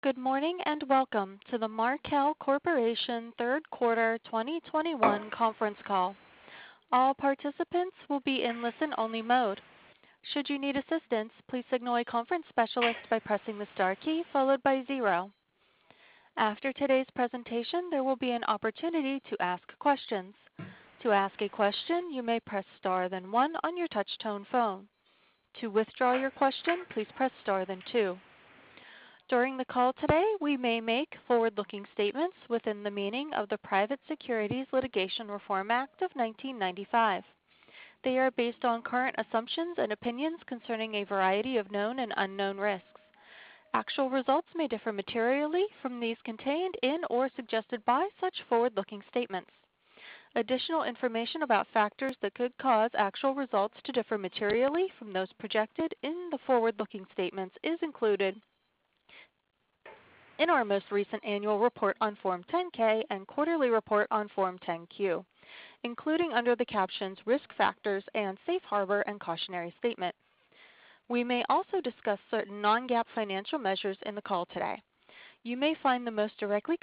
Good morning, and welcome to the Markel Corporation third quarter 2021 conference call. All participants will be in listen-only mode. Should you need assistance, please signal a conference specialist by pressing the star key followed by zero. After today's presentation, there will be an opportunity to ask questions. To ask a question, you may press star then one on your touchtone phone. To withdraw your question, please press star then two. During the call today, we may make forward-looking statements within the meaning of the Private Securities Litigation Reform Act of 1995. They are based on current assumptions and opinions concerning a variety of known and unknown risks. Actual results may differ materially from these contained in or suggested by such forward-looking statements. Additional information about factors that could cause actual results to differ materially from those projected in the forward-looking statements is included in our most recent annual report on Form 10-K and quarterly report on Form 10-Q, including under the captions Risk Factors and Safe Harbor and Cautionary Statement. We may also discuss certain non-GAAP financial measures in the call today. You may find the most directly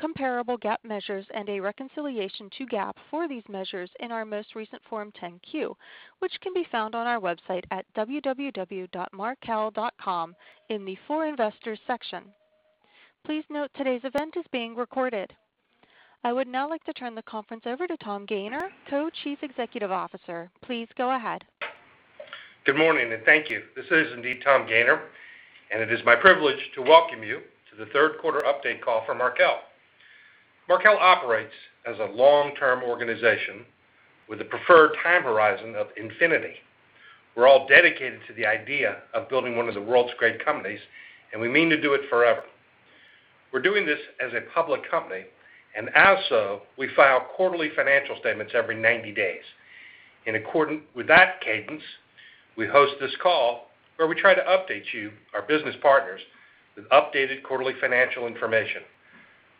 comparable GAAP measures and a reconciliation to GAAP for these measures in our most recent Form 10-Q, which can be found on our website at www.markel.com in the For Investors section. Please note today's event is being recorded. I would now like to turn the conference over to Tom Gayner, Co-Chief Executive Officer. Please go ahead. Good morning, and thank you. This is indeed Tom Gayner, and it is my privilege to welcome you to the third quarter update call for Markel. Markel operates as a long-term organization with a preferred time horizon of infinity. We're all dedicated to the idea of building one of the world's great companies, and we mean to do it forever. We're doing this as a public company, and as so, we file quarterly financial statements every 90 days. In accordance with that cadence, we host this call where we try to update you, our business partners, with updated quarterly financial information.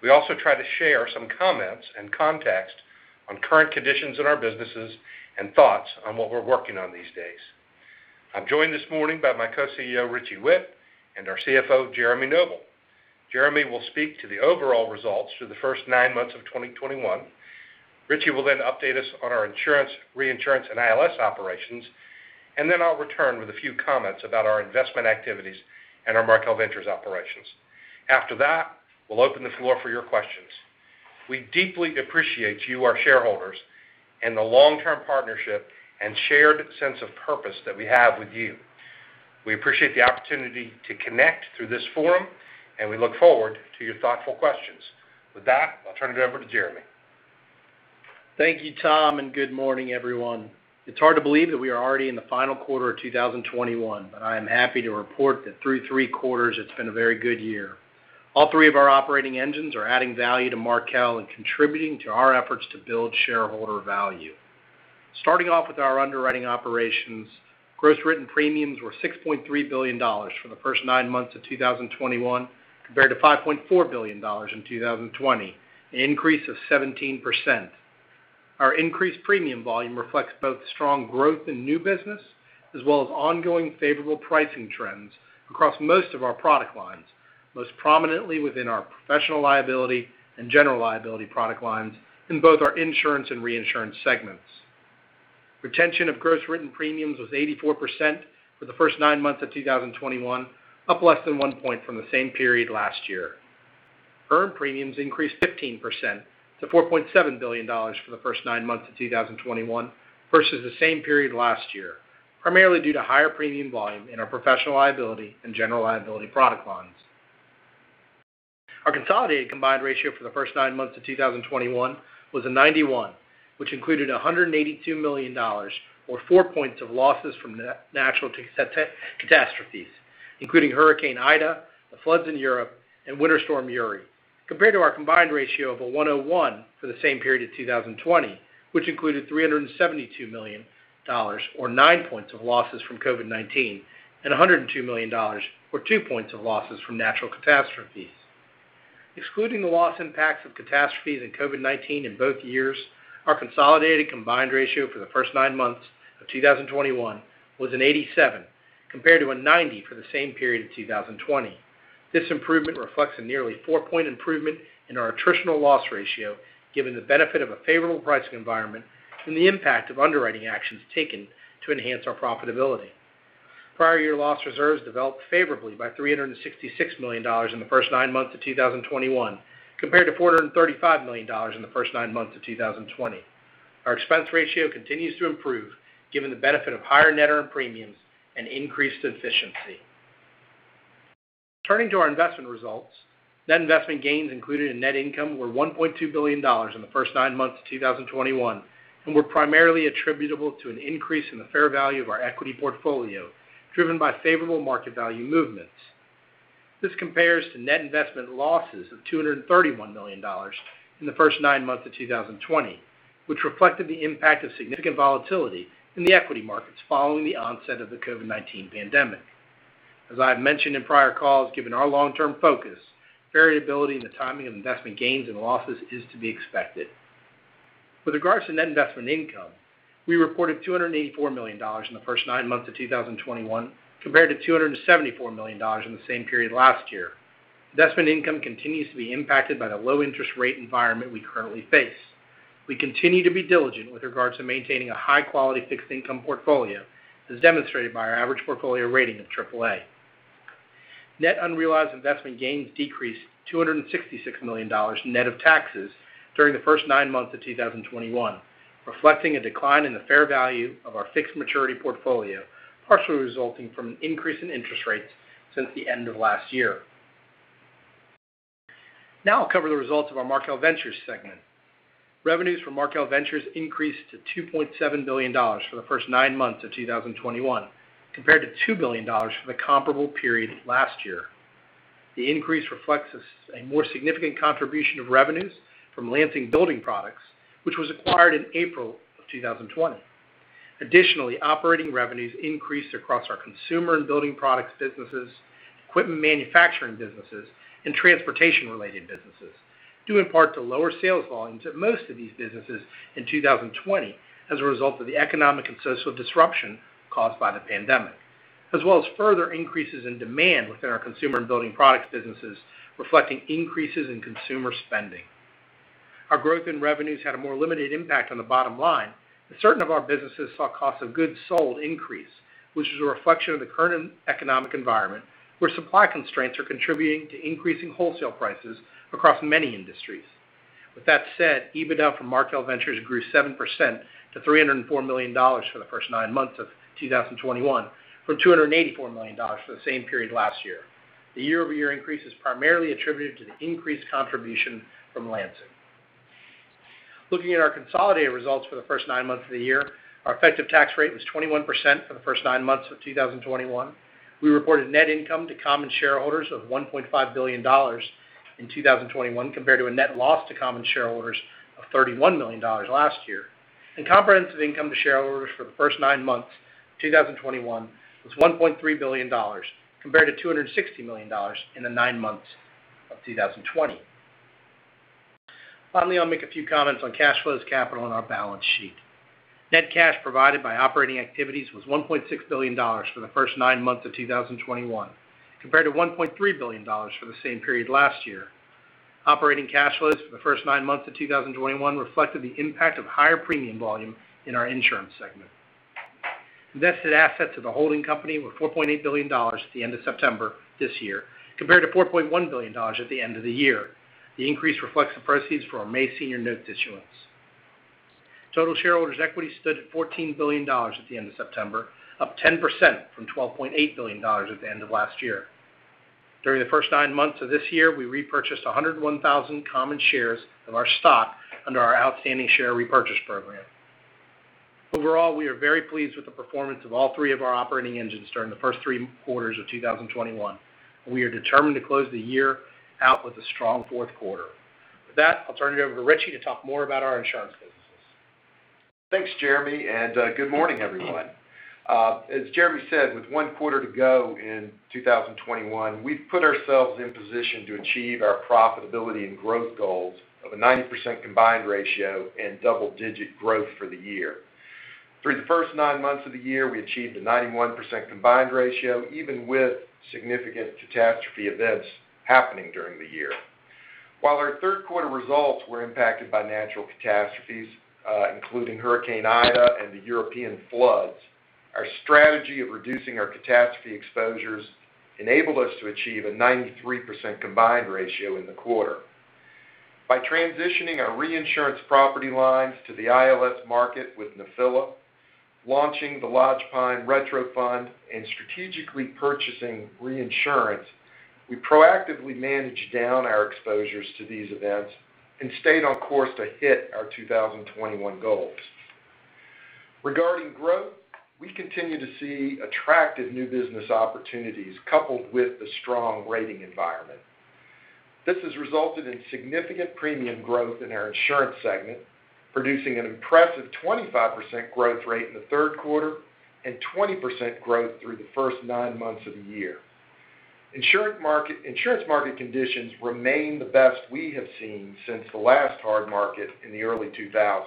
We also try to share some comments and context on current conditions in our businesses and thoughts on what we're working on these days. I'm joined this morning by my Co-Chief Executive Officer, Richie Whitt, and our Chief Financial Officer, Jeremy Noble. Jeremy will speak to the overall results through the first nine months of 2021. Richie will then update us on our insurance, reinsurance, and ILS operations, and then I'll return with a few comments about our investment activities and our Markel Ventures operations. After that, we'll open the floor for your questions. We deeply appreciate you, our shareholders, and the long-term partnership and shared sense of purpose that we have with you. We appreciate the opportunity to connect through this forum, and we look forward to your thoughtful questions. With that, I'll turn it over to Jeremy Noble. Thank you, Tom Gayner, and good morning, everyone? It's hard to believe that we are already in the final quarter of 2021, I am happy to report that through three quarters, it's been a very good year. All three of our operating engines are adding value to Markel and contributing to our efforts to build shareholder value. Starting off with our underwriting operations, gross written premiums were $6.3 billion for the first nine months of 2021 compared to $5.4 billion in 2020, an increase of 17%. Our increased premium volume reflects both strong growth in new business as well as ongoing favorable pricing trends across most of our product lines, most prominently within our professional liability and general liability product lines in both our insurance and reinsurance segments. Retention of gross written premiums was 84% for the first nine months of 2021, up less than one point from the same period last year. Earned premiums increased 15% to $4.7 billion for the first nine months of 2021 versus the same period last year, primarily due to higher premium volume in our professional liability and general liability product lines. Our consolidated combined ratio for the first nine months of 2021 was 91, which included $182 million or four points of losses from natural catastrophes, including Hurricane Ida, the floods in Europe, and Winter Storm Uri, compared to our combined ratio of 101 for the same period in 2020, which included $372 million or nine points of losses from COVID-19, and $102 million or two points of losses from natural catastrophes. Excluding the loss impacts of catastrophes and COVID-19 in both years, our consolidated combined ratio for the first nine months of 2021 was 87 compared to 90 for the same period in 2020. This improvement reflects a nearly four-point improvement in our attritional loss ratio, given the benefit of a favorable pricing environment and the impact of underwriting actions taken to enhance our profitability. Prior year loss reserves developed favorably by $366 million in the first nine months of 2021 compared to $435 million in the first nine months of 2020. Our expense ratio continues to improve given the benefit of higher net earned premiums and increased efficiency. Turning to our investment results, net investment gains included in net income were $1.2 billion in the first nine months of 2021 and were primarily attributable to an increase in the fair value of our equity portfolio, driven by favorable market value movements. This compares to net investment losses of $231 million in the first nine months of 2020, which reflected the impact of significant volatility in the equity markets following the onset of the COVID-19 pandemic. As I have mentioned in prior calls, given our long-term focus, variability in the timing of investment gains and losses is to be expected. With regards to net investment income, we reported $284 million in the first nine months of 2021, compared to $274 million in the same period last year. Investment income continues to be impacted by the low interest rate environment we currently face. We continue to be diligent with regards to maintaining a high quality fixed income portfolio, as demonstrated by our average portfolio rating of AAA. Net unrealized investment gains decreased $266 million net of taxes during the first nine months of 2021, reflecting a decline in the fair value of our fixed maturity portfolio, partially resulting from an increase in interest rates since the end of last year. Now I'll cover the results of our Markel Ventures segment. Revenues from Markel Ventures increased to $2.7 billion for the first nine months of 2021, compared to $2 billion for the comparable period last year. The increase reflects a more significant contribution of revenues from Lansing Building Products, which was acquired in April of 2020. Additionally, operating revenues increased across our consumer and building products businesses, equipment manufacturing businesses, and transportation related businesses, due in part to lower sales volumes at most of these businesses in 2020 as a result of the economic and social disruption caused by the pandemic, as well as further increases in demand within our consumer and building products businesses, reflecting increases in consumer spending. Our growth in revenues had a more limited impact on the bottom line, and certain of our businesses saw cost of goods sold increase, which is a reflection of the current economic environment, where supply constraints are contributing to increasing wholesale prices across many industries. With that said, EBITDA from Markel Ventures grew 7% to $304 million for the first nine months of 2021, from $284 million for the same period last year. The year-over-year increase is primarily attributed to the increased contribution from Lansing. Looking at our consolidated results for the first nine months of the year, our effective tax rate was 21% for the first nine months of 2021. We reported net income to common shareholders of $1.5 billion in 2021 compared to a net loss to common shareholders of $31 million last year. Comprehensive income to shareholders for the first nine months of 2021 was $1.3 billion compared to $260 million in the nine months of 2020. Finally, I'll make a few comments on cash flows, capital, and our balance sheet. Net cash provided by operating activities was $1.6 billion for the first nine months of 2021, compared to $1.3 billion for the same period last year. Operating cash flows for the first nine months of 2021 reflected the impact of higher premium volume in our insurance segment. Invested assets of the holding company were $4.8 billion at the end of September this year, compared to $4.1 billion at the end of the year. The increase reflects the proceeds from our May senior note issuance. Total shareholders' equity stood at $14 billion at the end of September, up 10% from $12.8 billion at the end of last year. During the first nine months of this year, we repurchased 101,000 common shares of our stock under our outstanding share repurchase program. Overall, we are very pleased with the performance of all three of our operating engines during the first three quarters of 2021, and we are determined to close the year out with a strong fourth quarter. With that, I'll turn it over to Richie Whitt to talk more about our insurance businesses. Thanks, Jeremy Noble, and good morning, everyone. As Jeremy Noble said, with one quarter to go in 2021, we've put ourselves in position to achieve our profitability and growth goals of a 90% combined ratio and double-digit growth for the year. Through the first nine months of the year, we achieved a 91% combined ratio, even with significant catastrophe events happening during the year. While our third quarter results were impacted by natural catastrophes, including Hurricane Ida and the European floods, our strategy of reducing our catastrophe exposures enabled us to achieve a 93% combined ratio in the quarter. By transitioning our reinsurance property lines to the ILS market with Nephila, launching the Lodgepine retro fund, and strategically purchasing reinsurance, we proactively managed down our exposures to these events and stayed on course to hit our 2021 goals. Regarding growth, we continue to see attractive new business opportunities coupled with the strong rating environment. This has resulted in significant premium growth in our insurance segment, producing an impressive 25% growth rate in the third quarter and 20% growth through the first nine months of the year. Insurance market conditions remain the best we have seen since the last hard market in the early 2000s.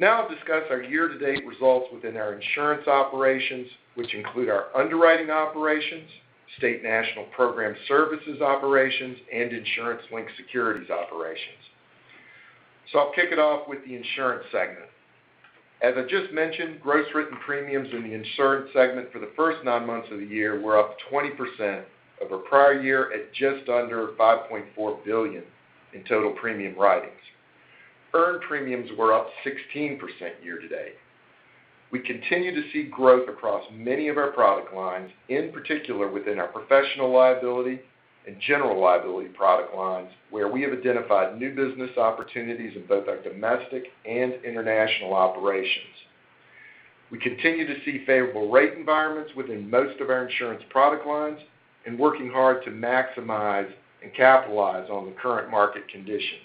Now I'll discuss our year-to-date results within our insurance operations, which include our underwriting operations, State National Program Services operations, and insurance-linked securities operations. I'll kick it off with the insurance segment. As I just mentioned, gross written premiums in the insurance segment for the first nine months of the year were up 20% over prior year at just under $5.4 billion in total premium writings. Earned premiums were up 16% year to date. We continue to see growth across many of our product lines, in particular within our professional liability and general liability product lines, where we have identified new business opportunities in both our domestic and international operations. We continue to see favorable rate environments within most of our insurance product lines and working hard to maximize and capitalize on the current market conditions.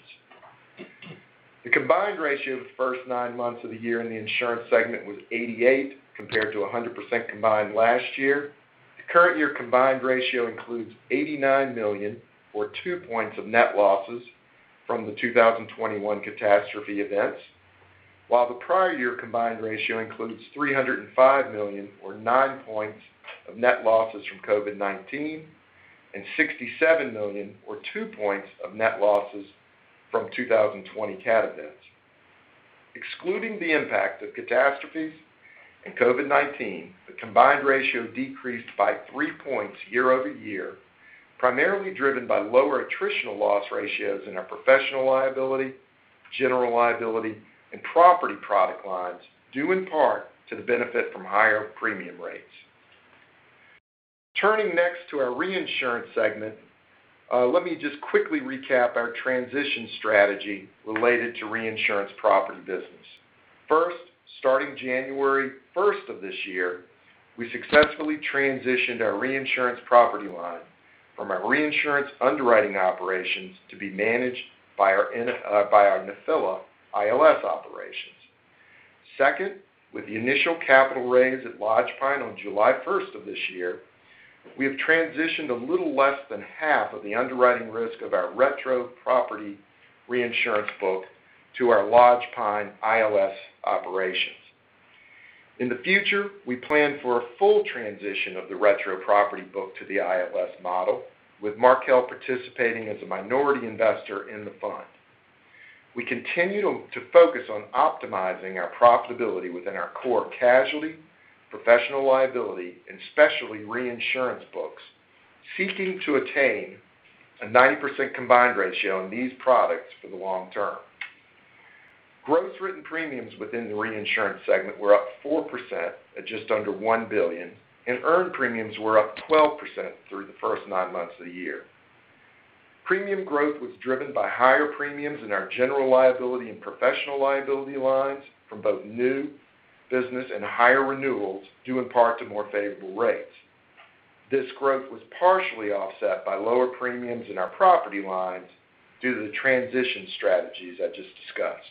The combined ratio for the first nine months of the year in the insurance segment was 88%, compared to 100% combined last year. The current year combined ratio includes $89 million or two points of net losses from the 2021 catastrophe events, while the prior year combined ratio includes $305 million or nine points of net losses from COVID-19, and $67 million or two points of net losses from 2020 CAT events. Excluding the impact of catastrophes and COVID-19, the combined ratio decreased by three points year-over-year, primarily driven by lower attritional loss ratios in our professional liability, general liability, and property product lines, due in part to the benefit from higher premium rates. Turning next to our reinsurance segment, let me just quickly recap our transition strategy related to reinsurance property business. First, starting January first of this year, we successfully transitioned our reinsurance property line from our reinsurance underwriting operations to be managed by our Nephila ILS operations. Second, with the initial capital raise at Lodgepine on July first of this year, we have transitioned a little less than half of the underwriting risk of our retro property reinsurance book to our Lodgepine ILS operations. In the future, we plan for a full transition of the retro property book to the ILS model, with Markel participating as a minority investor in the fund. We continue to focus on optimizing our profitability within our core casualty professional liability and especially reinsurance books, seeking to attain a 90% combined ratio on these products for the long term. Gross written premiums within the reinsurance segment were up 4% at just under $1 billion, and earned premiums were up 12% through the first nine months of the year. Premium growth was driven by higher premiums in our general liability and professional liability lines from both new business and higher renewals, due in part to more favorable rates. This growth was partially offset by lower premiums in our property lines due to the transition strategies I just discussed.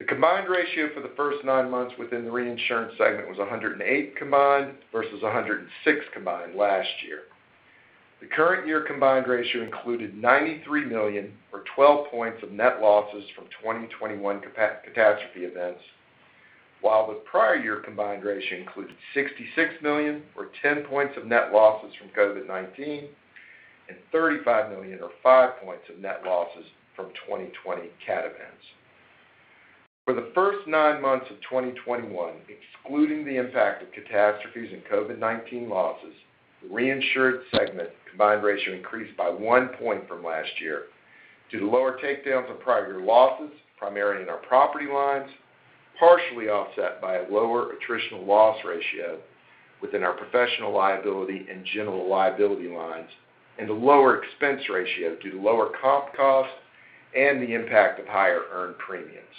The combined ratio for the first nine months within the reinsurance segment was 108 combined versus 106 combined last year. The current year combined ratio included $93 million or 12 points of net losses from 2021 catastrophe events, while the prior year combined ratio included $66 million or 10 points of net losses from COVID-19, and $35 million or five points of net losses from 2020 CAT events. For the first nine months of 2021, excluding the impact of catastrophes and COVID-19 losses, the reinsurance segment combined ratio increased by one point from last year due to lower takedowns of prior year losses, primarily in our property lines, partially offset by a lower attritional loss ratio within our professional liability and general liability lines, and a lower expense ratio due to lower comp costs and the impact of higher earned premiums.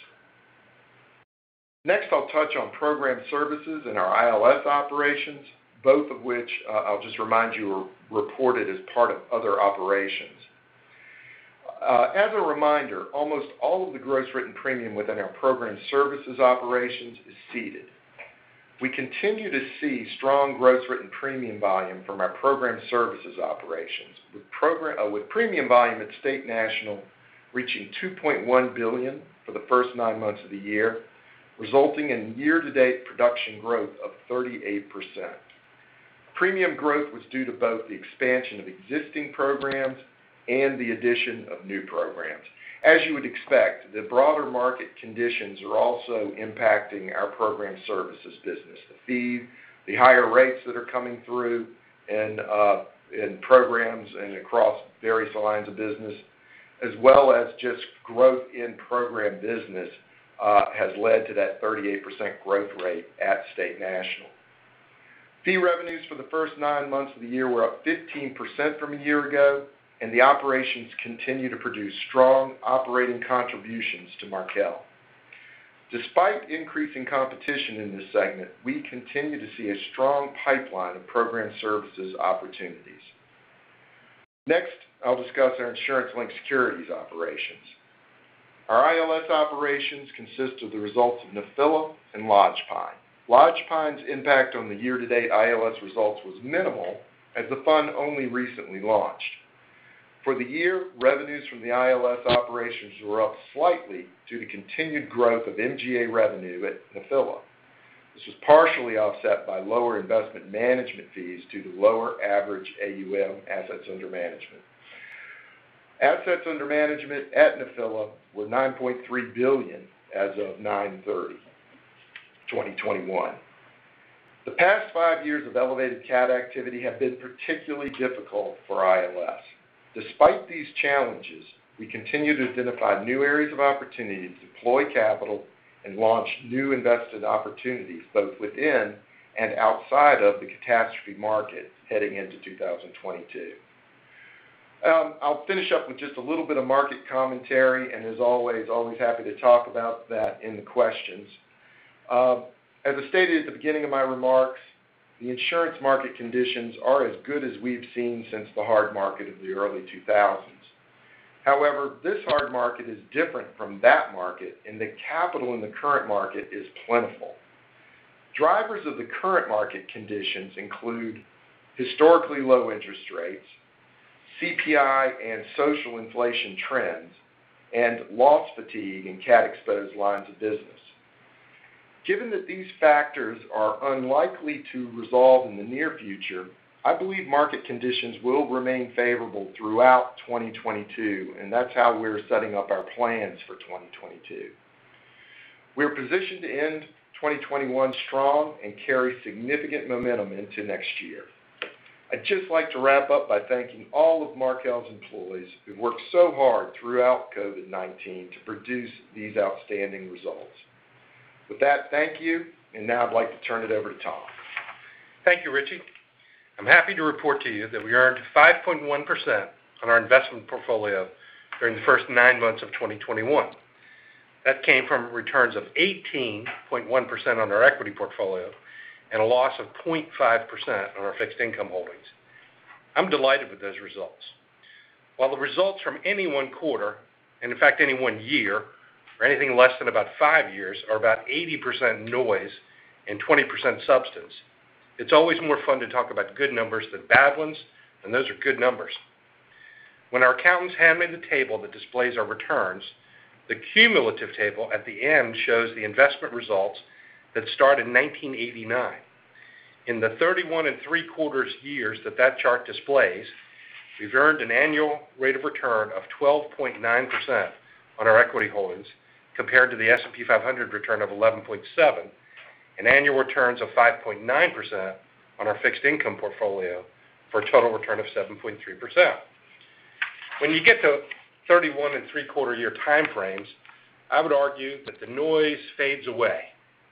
Next, I'll touch on Program Services and our ILS operations, both of which, I'll just remind you, are reported as part of other operations. As a reminder, almost all of the gross written premium within our Program Services operations is ceded. We continue to see strong gross written premium volume from our Program Services operations, with premium volume at State National reaching $2.1 billion for the first nine months of the year, resulting in year-to-date production growth of 38%. Premium growth was due to both the expansion of existing programs and the addition of new programs. As you would expect, the broader market conditions are also impacting our Program Services business. The fees, the higher rates that are coming through in programs and across various lines of business, as well as just growth in program business, has led to that 38% growth rate at State National. Fee revenues for the first nine months of the year were up 15% from a year ago, and the operations continue to produce strong operating contributions to Markel. Despite increasing competition in this segment, we continue to see a strong pipeline of program services opportunities. Next, I'll discuss our insurance-linked securities operations. Our ILS operations consist of the results of Nephila and Lodgepine. Lodgepine's impact on the year-to-date ILS results was minimal, as the fund only recently launched. For the year, revenues from the ILS operations were up slightly due to continued growth of MGA revenue at Nephila. This was partially offset by lower investment management fees due to lower average AUM, assets under management. Assets under management at Nephila were $9.3 billion as of 9/30/2021. The past five years of elevated CAT activity have been particularly difficult for ILS. Despite these challenges, we continue to identify new areas of opportunity to deploy capital and launch new investment opportunities both within and outside of the catastrophe market heading into 2022. I'll finish up with just a little bit of market commentary and as always happy to talk about that in the questions. As I stated at the beginning of my remarks, the insurance market conditions are as good as we've seen since the hard market of the early 2000s. However, this hard market is different from that market, and the capital in the current market is plentiful. Drivers of the current market conditions include historically low interest rates, CPI and social inflation trends, and loss fatigue in CAT-exposed lines of business. Given that these factors are unlikely to resolve in the near future, I believe market conditions will remain favorable throughout 2022, and that's how we're setting up our plans for 2022. We are positioned to end 2021 strong and carry significant momentum into next year. I'd just like to wrap up by thanking all of Markel's employees who've worked so hard throughout COVID-19 to produce these outstanding results. With that, thank you. Now I'd like to turn it over to Tom Gayner. Thank you, Richie Whitt. I'm happy to report to you that we earned 5.1% on our investment portfolio during the first nine months of 2021. That came from returns of 18.1% on our equity portfolio and a loss of 0.5% on our fixed income holdings. I'm delighted with those results. While the results from any one quarter, and in fact any one year or anything less than about five years, are about 80% noise and 20% substance, it's always more fun to talk about good numbers than bad ones, and those are good numbers. When our accountants hand me the table that displays our returns, the cumulative table at the end shows the investment results that start in 1989. In the 31 and 3/4 years that chart displays, we've earned an annual rate of return of 12.9% on our equity holdings, compared to the S&P 500 return of 11.7, and annual returns of 5.9% on our fixed income portfolio, for a total return of 7.3%. When you get to 31 and 3/4 year time frames, I would argue that the noise fades away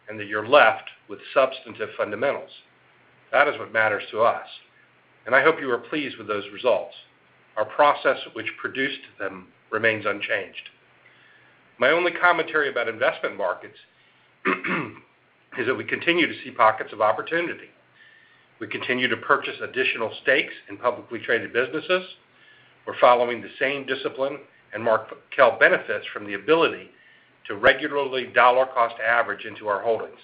and that you're left with substantive fundamentals. That is what matters to us, and I hope you are pleased with those results. Our process which produced them remains unchanged. My only commentary about investment markets is that we continue to see pockets of opportunity. We continue to purchase additional stakes in publicly traded businesses. We're following the same discipline, and Markel benefits from the ability to regularly dollar cost average into our holdings.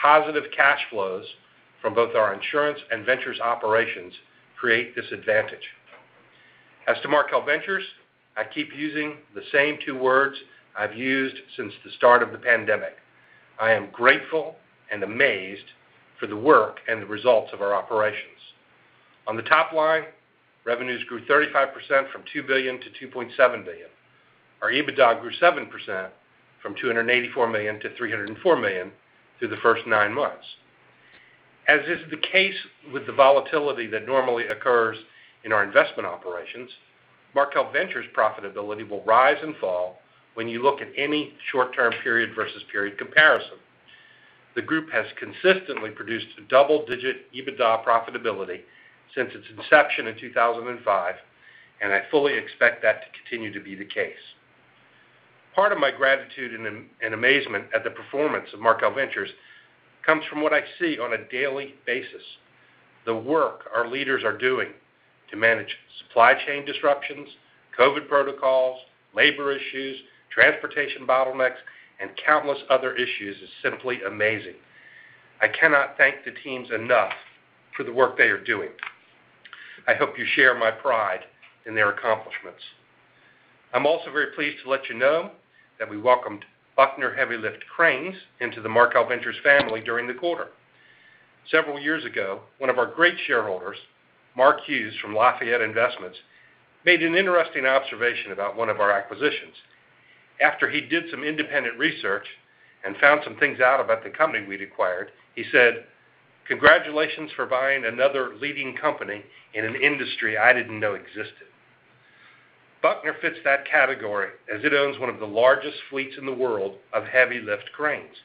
Positive cash flows from both our insurance and ventures operations create this advantage. As to Markel Ventures, I keep using the same two words I've used since the start of the pandemic. I am grateful and amazed for the work and the results of our operations. On the top line, revenues grew 35% from $2 billion to $2.7 billion. Our EBITDA grew 7% from $284 million to $304 million through the first nine months. As is the case with the volatility that normally occurs in our investment operations, Markel Ventures profitability will rise and fall when you look at any short-term period versus period comparison. The group has consistently produced a double-digit EBITDA profitability since its inception in 2005, and I fully expect that to continue to be the case. Part of my gratitude and amazement at the performance of Markel Ventures comes from what I see on a daily basis. The work our leaders are doing to manage supply chain disruptions, COVID protocols, labor issues, transportation bottlenecks, and countless other issues is simply amazing. I cannot thank the teams enough for the work they are doing. I hope you share my pride in their accomplishments. I'm also very pleased to let you know that we welcomed Buckner HeavyLift Cranes into the Markel Ventures family during the quarter. Several years ago, one of our great shareholders, Mark Hughes from Lafayette Investments, made an interesting observation about one of our acquisitions. After he did some independent research and found some things out about the company we'd acquired, he said, Congratulations for buying another leading company in an industry I didn't know existed. Buckner fits that category, as it owns one of the largest fleets in the world of heavy lift cranes.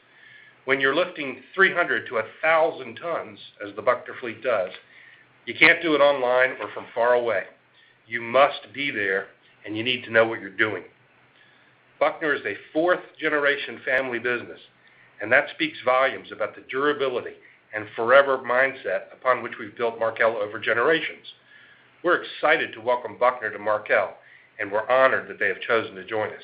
When you're lifting 300-1,000 tons, as the Buckner fleet does, you can't do it online or from far away. You must be there, and you need to know what you're doing. Buckner is a fourth-generation family business, and that speaks volumes about the durability and forever mindset upon which we've built Markel over generations. We're excited to welcome Buckner to Markel, and we're honored that they have chosen to join us.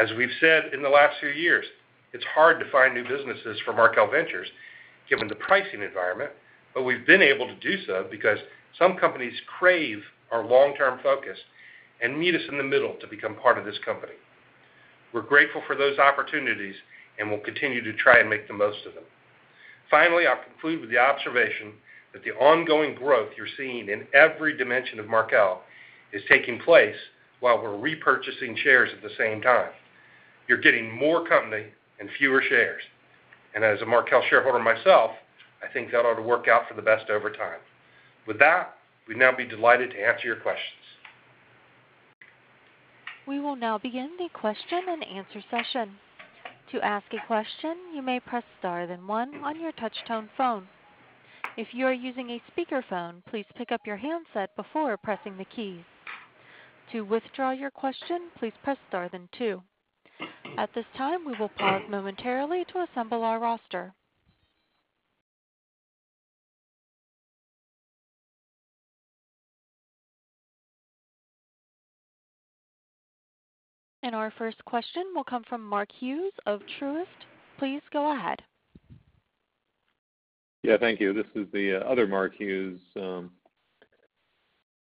As we've said in the last few years, it's hard to find new businesses for Markel Ventures given the pricing environment, but we've been able to do so because some companies crave our long-term focus and meet us in the middle to become part of this company. We're grateful for those opportunities and will continue to try and make the most of them. Finally, I'll conclude with the observation that the ongoing growth you're seeing in every dimension of Markel is taking place while we're repurchasing shares at the same time. You're getting more company and fewer shares. As a Markel shareholder myself, I think that ought to work out for the best over time. With that, we'd now be delighted to answer your questions. We will now begin the question and answer session. To ask a question, you may press star then one on your touch tone phone. If you are using a speakerphone, please pick up your handset before pressing the keys. To withdraw your question, please press star then two. At this time, we will pause momentarily to assemble our roster. Our first question will come from Mark Hughes of Truist, please go ahead. Yeah, thank you. This is the other Mark Hughes.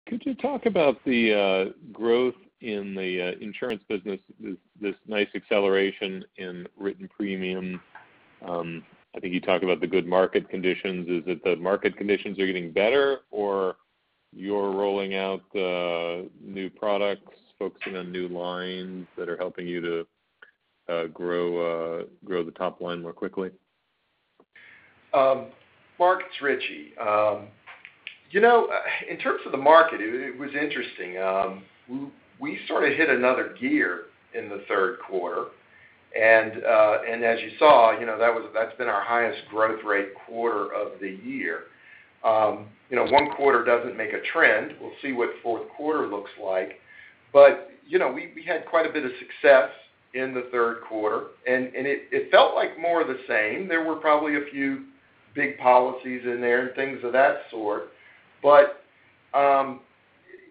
Could you talk about the growth in the insurance business, this nice acceleration in written premium? I think you talked about the good market conditions. Is it that market conditions are getting better, or you're rolling out new products, focusing on new lines that are helping you to grow the top line more quickly? Mark, it's Richie Whitt. You know, in terms of the market, it was interesting. We sort of hit another gear in the third quarter. As you saw, you know, that's been our highest growth rate quarter of the year. You know, one quarter doesn't make a trend. We'll see what fourth quarter looks like. You know, we had quite a bit of success in the third quarter, and it felt like more of the same. There were probably a few big policies in there and things of that sort.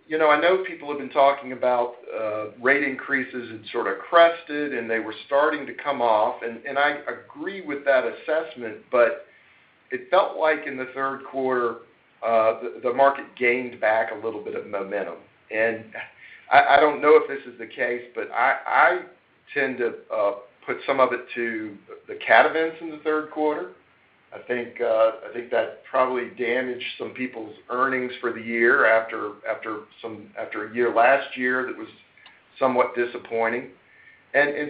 You know, I know people have been talking about rate increases had sort of crested, and they were starting to come off. I agree with that assessment, but it felt like in the third quarter, the market gained back a little bit of momentum. I don't know if this is the case, but I tend to put some of it to the CAT events in the third quarter. I think that probably damaged some people's earnings for the year after a year last year that was somewhat disappointing.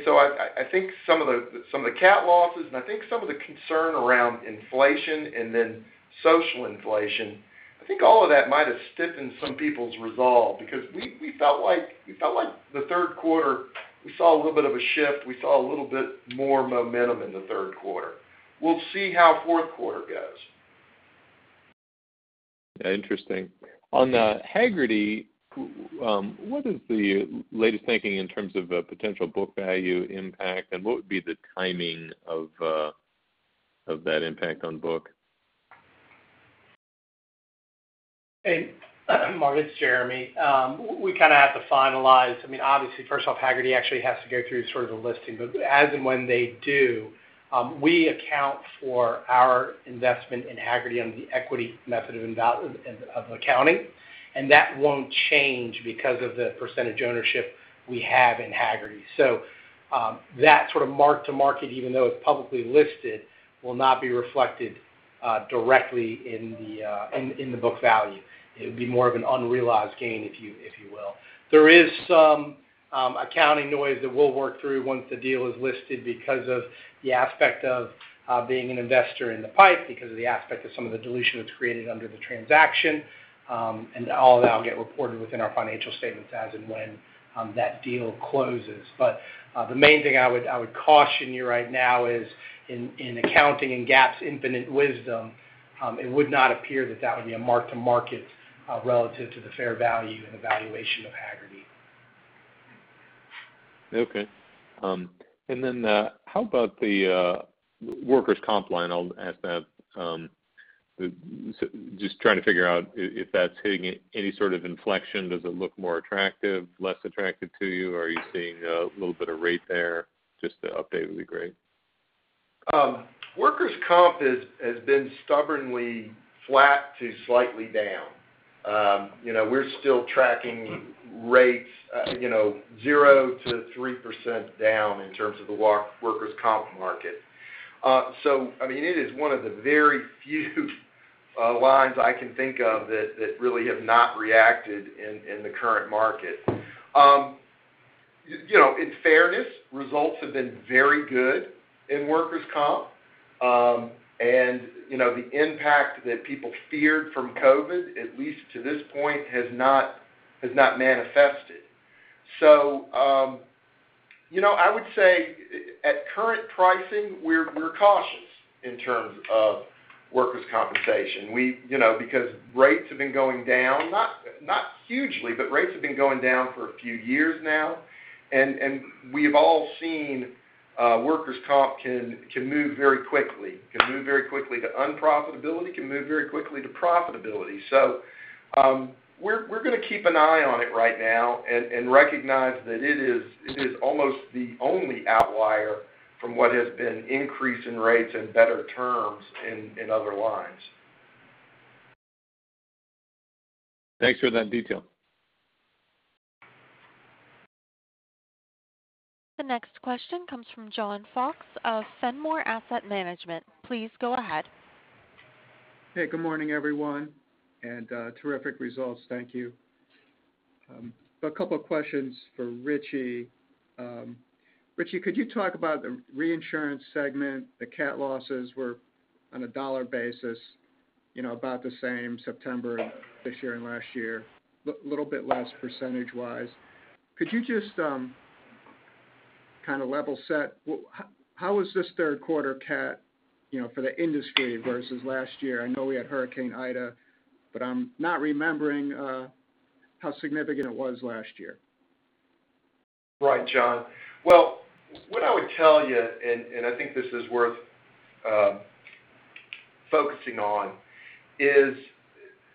So I think some of the CAT losses and I think some of the concern around inflation and then social inflation, I think all of that might have stiffened some people's resolve because we felt like the third quarter, we saw a little bit of a shift. We saw a little bit more momentum in the third quarter. We'll see how fourth quarter goes. Interesting. On Hagerty, what is the latest thinking in terms of a potential book value impact? What would be the timing of that impact on book? Hey, Mark, it's Jeremy Noble. We kind of have to finalize. I mean, obviously, first off, Hagerty actually has to go through sort of the listing. As and when they do, we account for our investment in Hagerty on the equity method of accounting, and that won't change because of the percentage ownership we have in Hagerty. That sort of mark to market, even though it's publicly listed, will not be reflected directly in the book value. It would be more of an unrealized gain, if you will. There is some accounting noise that we'll work through once the deal is listed because of the aspect of being an investor in the pipe, because of the aspect of some of the dilution that's created under the transaction. All of that will get reported within our financial statements as and when that deal closes. The main thing I would caution you right now is in accounting and GAAP's infinite wisdom, it would not appear that would be a mark to market relative to the fair value and the valuation of Hagerty. Okay. How about the workers' comp line? I'll ask that, just trying to figure out if that's hitting any sort of inflection. Does it look more attractive, less attractive to you? Are you seeing a little bit of rate there? Just an update would be great. Workers' comp has been stubbornly flat to slightly down. You know, we're still tracking rates, you know, 0%-3% down in terms of the workers' comp market. So I mean, it is one of the very few lines I can think of that really have not reacted in the current market. You know, in fairness, results have been very good in workers' comp. And you know, the impact that people feared from COVID, at least to this point, has not manifested. So you know, I would say at current pricing, we're cautious in terms of workers' compensation. You know, because rates have been going down, not hugely, but rates have been going down for a few years now. We've all seen workers' comp can move very quickly to unprofitability, to profitability. We're gonna keep an eye on it right now and recognize that it is almost the only outlier from what has been an increase in rates and better terms in other lines. Thanks for that detail. The next question comes from John Fox of Fenimore Asset Management, please go ahead. Hey, good morning, everyone, and terrific results. Thank you. A couple of questions for Richie Whitt. Richie, could you talk about the reinsurance segment? The CAT losses were on a dollar basis, you know, about the same September this year and last year, little bit less percentage-wise. Could you just kind of level set, how was this third quarter CAT, you know, for the industry versus last year? I know we had Hurricane Ida, but I'm not remembering how significant it was last year. Right, John Fox. Well, what I would tell you, and I think this is worth focusing on, is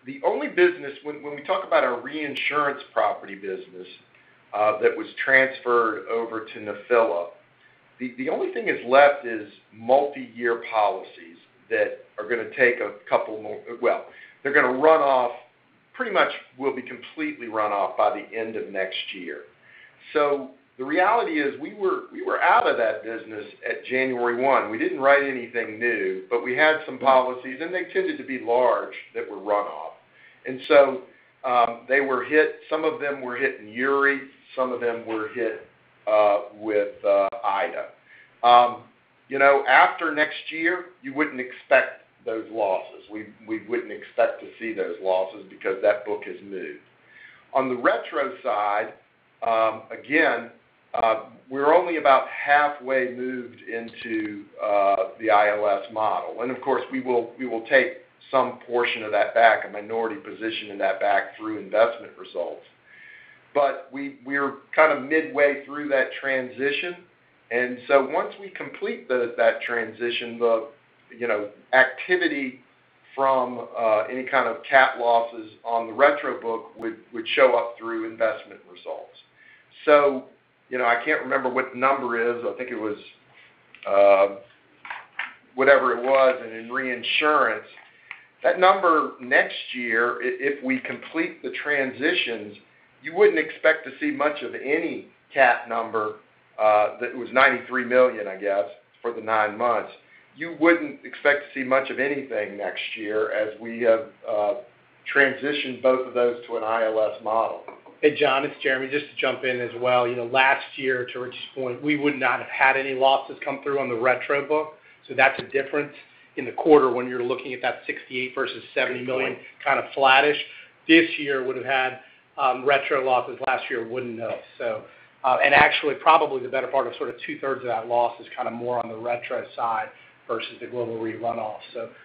the only business when we talk about our reinsurance property business that was transferred over to Nephila, the only thing that's left is multi-year policies that are gonna take a couple more. Well, they're gonna run off, pretty much will be completely run off by the end of next year. The reality is we were out of that business at January 1. We didn't write anything new. We had some policies, and they tended to be large, that were run off. They were hit. Some of them were hit in Uri, some of them were hit with Ida. You know, after next year, you wouldn't expect those losses. We wouldn't expect to see those losses because that book has moved. On the retro side, again, we're only about halfway moved into the ILS model. And of course, we will take some portion of that back, a minority position in that back through investment results. We're kind of midway through that transition. Once we complete that transition, you know, activity from any kind of CAT losses on the retro book would show up through investment results. You know, I can't remember what the number is. I think it was whatever it was and in reinsurance. That number next year, if we complete the transitions, you wouldn't expect to see much of any CAT number, that was $93 million, I guess, for the nine months. You wouldn't expect to see much of anything next year as we have transitioned both of those to an ILS model. Hey, John, it's Jeremy Noble. Just to jump in as well. You know, last year, to Richie's point, we would not have had any losses come through on the retro book, so that's a difference in the quarter when you're looking at that $68 million versus $70 million kind of flattish. This year would've had retro losses. Last year wouldn't have. Actually, probably the better part of sort of two-thirds of that loss is kind of more on the retro side versus the global re-runoff.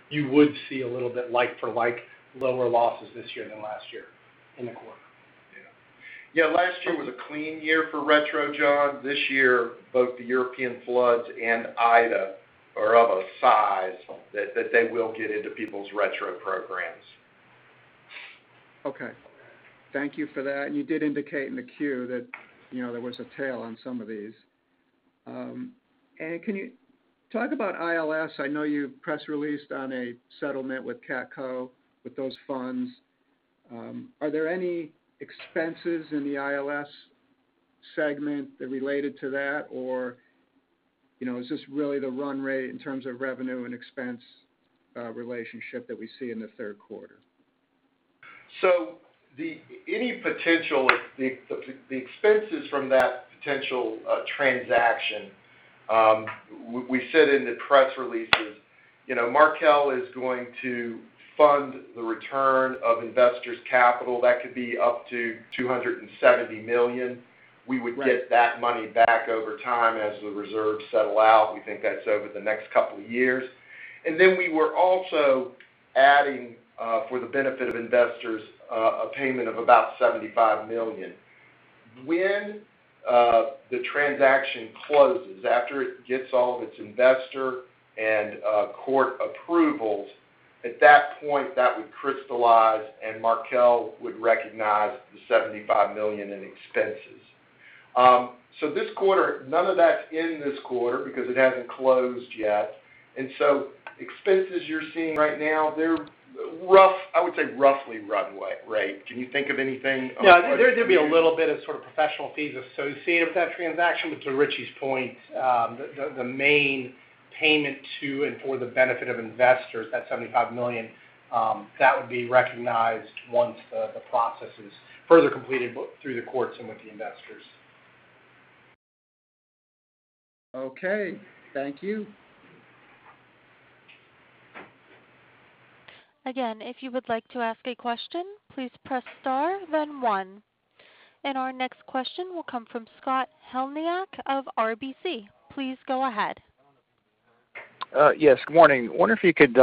You would see a little bit like for like lower losses this year than last year in the quarter. Yeah. Yeah, last year was a clean year for retro, John. This year, both the European floods and Ida are of a size that they will get into people's retro programs. Okay. Thank you for that. You did indicate in the Q that, you know, there was a tail on some of these. Can you talk about ILS? I know you've press released on a settlement with CATCo with those funds. Are there any expenses in the ILS segment that related to that? Or, you know, is this really the run rate in terms of revenue and expense relationship that we see in the third quarter? The expenses from that potential transaction, we said in the press releases, you know, Markel is going to fund the return of investors' capital. That could be up to $270 million. We would get that money back over time as the reserves settle out. We think that's over the next couple of years. Then we were also adding, for the benefit of investors, a payment of about $75 million. When the transaction closes, after it gets all of its investor and court approvals, at that point, that would crystallize, and Markel would recognize the $75 million in expenses. This quarter, none of that's in this quarter because it hasn't closed yet. Expenses you're seeing right now, they're rough, I would say roughly run rate, right. Can you think of anything? Yeah. There'd be a little bit of sort of professional fees associated with that transaction. To Richie's point, the main payment to and for the benefit of investors, that $75 million, that would be recognized once the process is further completed both through the courts and with the investors. Okay, thank you. Again, if you would like to ask a question, please press star then one. Our next question will come from Scott Heleniak of RBC, please go ahead. Yes, good morning? I wonder if you could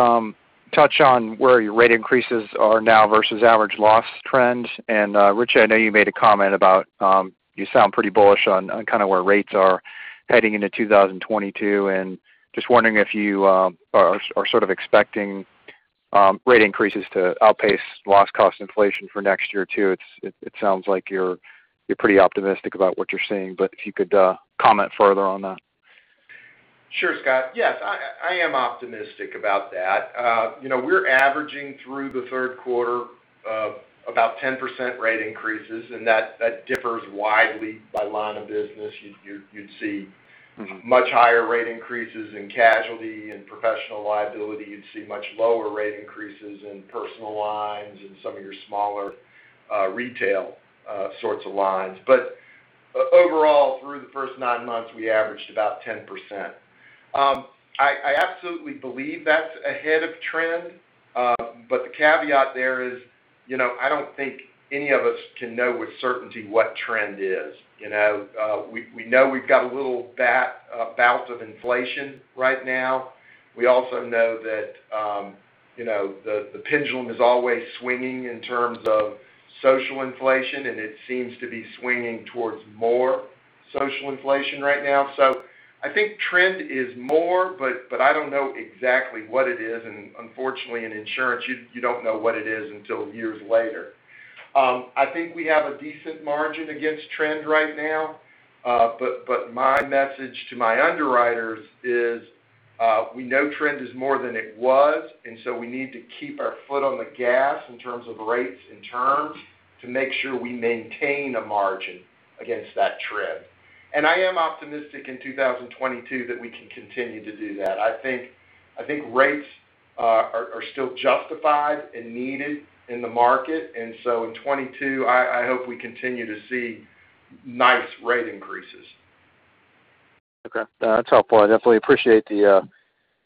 touch on where your rate increases are now versus average loss trends. Richie Whitt, I know you made a comment about you sound pretty bullish on kind of where rates are heading into 2022. Just wondering if you are sort of expecting rate increases to outpace loss cost inflation for next year too. It sounds like you're pretty optimistic about what you're seeing, but if you could comment further on that. Sure, Scott Heleniak. Yes, I am optimistic about that. You know, we're averaging through the third quarter about 10% rate increases, and that differs widely by line of business. You'd see much higher rate increases in casualty and professional liability. You'd see much lower rate increases in personal lines and some of your smaller retail sorts of lines. Overall, through the first nine months, we averaged about 10%. I absolutely believe that's ahead of trend. The caveat there is, you know, I don't think any of us can know with certainty what trend is, you know? We know we've got a little bounce of inflation right now. We also know that, you know, the pendulum is always swinging in terms of social inflation, it seems to be swinging towards more social inflation right now. I think trend is more, but I don't know exactly what it is. Unfortunately, in insurance, you don't know what it is until years later. I think we have a decent margin against trend right now. But my message to my underwriters is, we know trend is more than it was, and so we need to keep our foot on the gas in terms of rates and terms to make sure we maintain a margin against that trend. I am optimistic in 2022 that we can continue to do that. I think rates are still justified and needed in the market. In 2022, I hope we continue to see nice rate increases. Okay. That's helpful. I definitely appreciate the,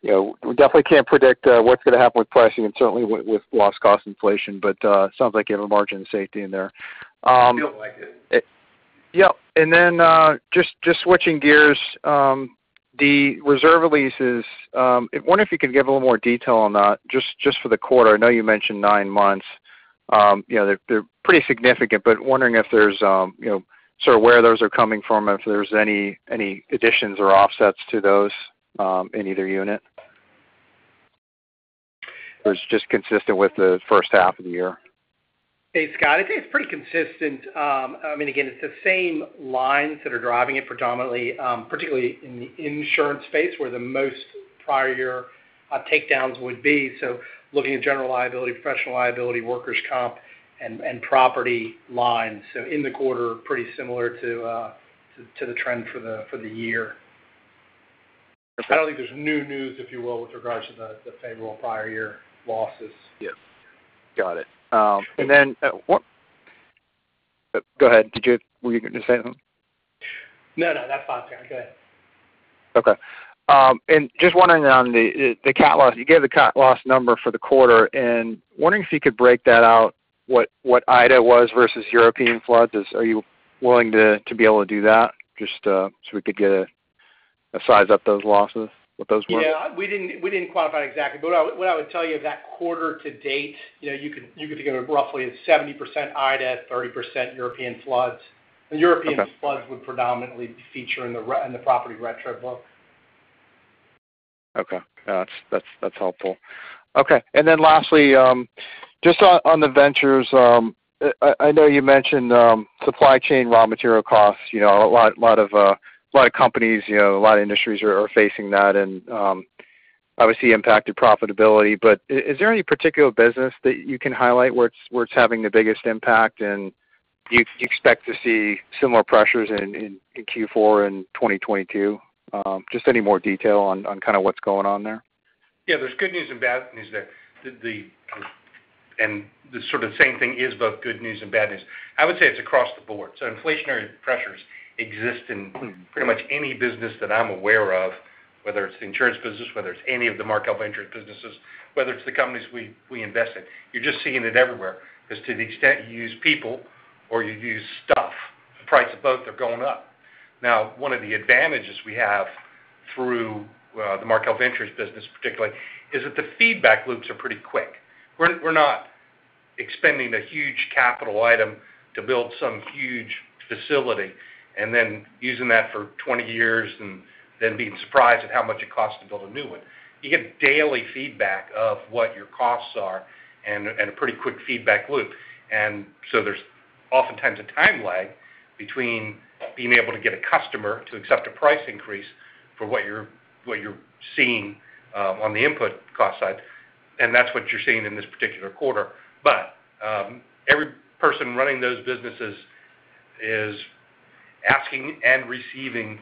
you know, we definitely can't predict, what's gonna happen with pricing and certainly with loss cost inflation, but, it sounds like you have a margin of safety in there. We feel like it. Yep. Just switching gears, the reserve releases, I wonder if you could give a little more detail on that just for the quarter. I know you mentioned nine months. You know, they're pretty significant, but wondering if there's you know, sort of where those are coming from or if there's any additions or offsets to those, in either unit, or it's just consistent with the first half of the year. Hey, Scott Heleniak. I'd say it's pretty consistent. I mean, again, it's the same lines that are driving it predominantly, particularly in the insurance space, where the most prior year takedowns would be. Looking at general liability, professional liability, workers' comp, and property lines. In the quarter, pretty similar to the trend for the year. I don't think there's new news, if you will, with regards to the favorable prior year losses. Yes. Got it. Go ahead. Did you have? Were you gonna say something? No, no, that's fine, Scott. Go ahead. Okay. Just wondering on the CAT loss. You gave the CAT loss number for the quarter, and wondering if you could break that out, what Ida was versus European floods. Are you willing to be able to do that just so we could get a size up those losses, what those were? Yeah. We didn't quantify exactly, but what I would tell you that quarter to date, you know, you could think of it roughly as 70% Ida, 30% European floods. Okay. The European floods would predominantly feature in the property retro book. Okay. Yeah, that's helpful. Okay. Then lastly, just on the ventures, I know you mentioned supply chain raw material costs. You know, a lot of companies, you know, a lot of industries are facing that and obviously impacted profitability. Is there any particular business that you can highlight where it's having the biggest impact, and you expect to see similar pressures in Q4 in 2022? Just any more detail on kind of what's going on there. Yeah. There's good news and bad news there. The sort of same thing is both good news and bad news. I would say it's across the board. Inflationary pressures exist in pretty much any business that I'm aware of, whether it's the insurance business, whether it's any of the Markel Ventures businesses, whether it's the companies we invest in. You're just seeing it everywhere. 'Cause to the extent you use people or you use stuff, the price of both are going up. Now, one of the advantages we have through the Markel Ventures business particularly is that the feedback loops are pretty quick. We're not expending a huge capital item to build some huge facility and then using that for 20 years and then being surprised at how much it costs to build a new one. You get daily feedback of what your costs are and a pretty quick feedback loop. There's oftentimes a time lag between being able to get a customer to accept a price increase for what you're seeing on the input cost side, and that's what you're seeing in this particular quarter. Every person running those businesses is asking and receiving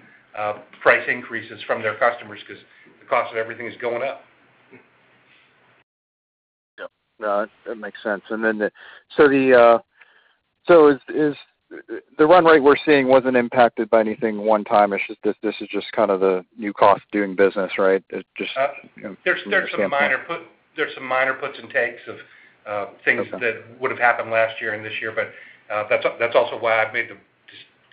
price increases from their customers 'cause the cost of everything is going up. Yeah. No, that makes sense. The run rate we're seeing wasn't impacted by anything one-time. It's just this is just kind of the new cost of doing business, right? It just, you know. There's some minor puts and takes of things. Okay That would've happened last year and this year, but that's also why I've made the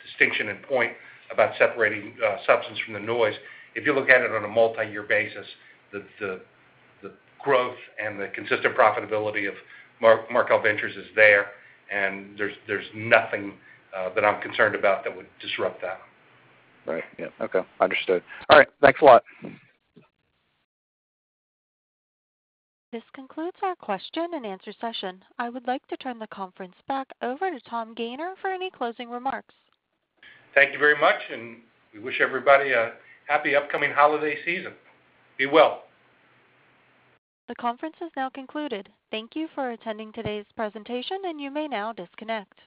distinction and point about separating substance from the noise. If you look at it on a multi-year basis, the growth and the consistent profitability of Markel Ventures is there, and there's nothing that I'm concerned about that would disrupt that. Right. Yeah. Okay. Understood. All right. Thanks a lot. This concludes our question and answer session. I would like to turn the conference back over to Tom Gayner for any closing remarks. Thank you very much, and we wish everybody a happy upcoming holiday season. Be well. The conference is now concluded. Thank you for attending today's presentation, and you may now disconnect.